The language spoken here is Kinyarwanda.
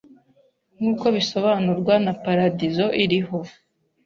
nkuko bisobanurwa na paradizo iriho